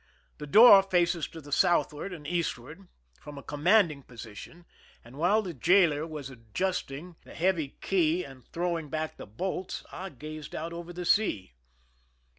The door faces to the south ward and eastward, from a commanding position, and while the jailer was adjusting the heavy key and 148 IMPEISONMENT IN MOERO CASTLE throwing back the bolts, I gazed out over the sea.